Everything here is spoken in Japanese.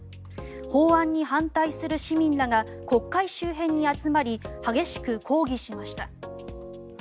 法案に反対する市民らが国会周辺に集まり激しく抗議しました。